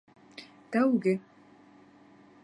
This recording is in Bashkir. Тәүге!